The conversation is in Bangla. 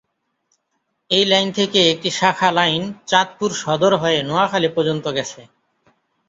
এই লাইন থেকে একটি শাখা লাইন চাঁদপুর সদর হয়ে নোয়াখালী পর্যন্ত গেছে।